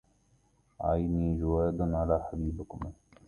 عيني جودا على حبيبكما